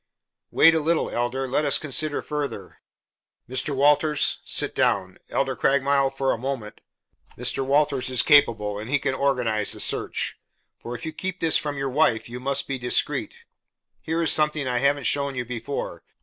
"Wait a little, Elder; let us consider further. Mr. Walters sit down, Elder Craigmile, for a moment Mr. Walters is capable, and he can organize the search; for if you keep this from your wife, you must be discreet. Here is something I haven't shown you before.